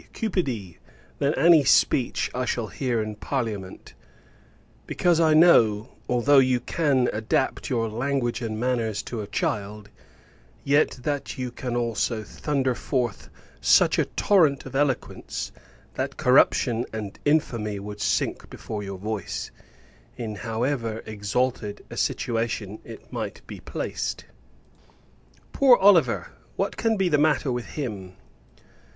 Cupidy!" than any speech I shall hear in parliament: because I know, although you can adapt your language and manners to a child, yet that you can also thunder forth such a torrent of eloquence, that corruption and infamy would sink before your voice, in however exalted a situation it might be placed. Poor Oliver! what can be the matter with him?